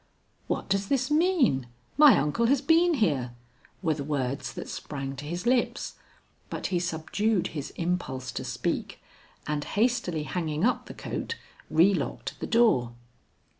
"What does this mean! My uncle has been here!" were the words that sprang to his lips; but he subdued his impulse to speak, and hastily hanging up the coat, relocked the door.